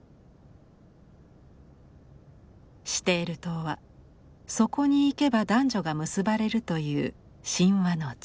シテール島はそこに行けば男女が結ばれるという神話の地。